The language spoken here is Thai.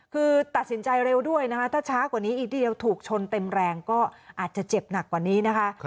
คือตัดสินใจเร็วด้วยนะคะถ้าช้ากว่านี้อีกเดียวถูกชนเต็มแรงก็อาจจะเจ็บหนักกว่านี้นะคะ